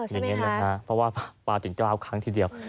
อย่างนี้แหละค่ะเพราะว่าปลาถึงเก้าครั้งทีเดียว